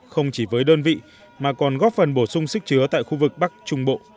không chỉ với đơn vị mà còn góp phần bổ sung sức chứa tại khu vực bắc trung bộ